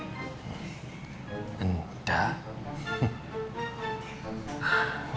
gapapa mak masih first date kita